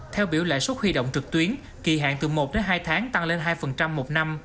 theo biểu lãi suất huy động trực tuyến kỳ hạn từ một đến hai tháng tăng lên hai một năm